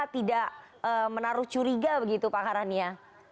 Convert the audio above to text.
tidak menaruh curiga begitu pak karania